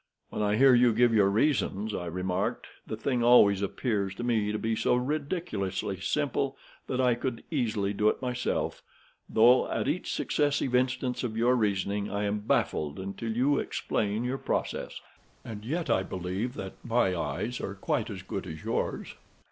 "When I hear you give your reasons," I remarked, "the thing always appears to me so ridiculously simple that I could easily do it myself, though at each successive instance of your reasoning I am baffled, until you explain your process. And yet, I believe that my eyes are as good as yours."